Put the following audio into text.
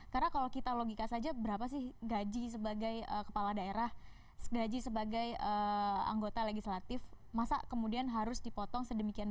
karena kalau kita logika saja berapa sih gaji sebagai kepala daerah gaji sebagai anggota legislatif masa kemudian harus dipotong sedemikian